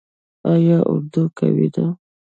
آیا اردو قوي ده؟